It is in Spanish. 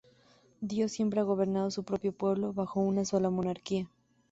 Dios siempre ha gobernado su propio pueblo bajo una sola monarquía".